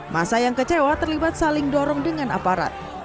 masa yang kecewa terlibat saling dorong dengan aparat